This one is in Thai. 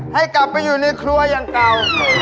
ให้กลับไปอยู่ในครัวอย่างเก่า